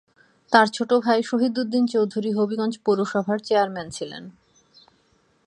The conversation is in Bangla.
তার ছোট ভাই শহিদ উদ্দিন চৌধুরী হবিগঞ্জ পৌরসভার মেয়র ছিলেন।